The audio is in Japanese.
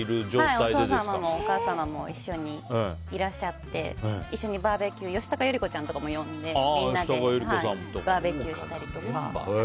お父様もお母様も一緒にいらっしゃって一緒にバーベキュー吉高由里子ちゃんとかも呼んでみんなでバーベキューしたりとか。